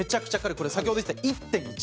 これ、先ほど言ってた１．１。